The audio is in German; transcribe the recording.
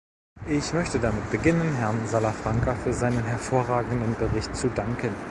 Ich möchte damit beginnen, Herrn Salafranca für seinen hervorragenden Bericht zu danken.